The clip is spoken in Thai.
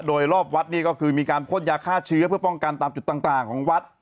โดยรอบวัดนี่ก็คือมีการพ่นยาฆ่าเชื้อเพื่อป้องกันตามจุดต่างของวัด